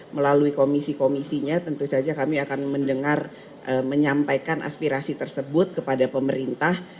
melalui komisi komisinya tentu saja kami akan mendengar menyampaikan aspirasi tersebut kepada pemerintah